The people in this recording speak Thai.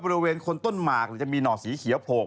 บริเวณคนต้นหมากจะมีหน่อสีเขียวโผล่